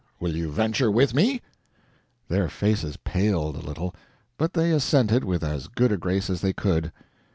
Will you venture with me?" Their faces paled a little, but they assented with as good a grace as they could.